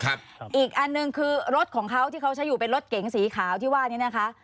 อีกอันหนึ่งคือรถของเขาที่เขาใช้อยู่เป็นรถเก๋งสีขาวที่ว่านี้นะคะ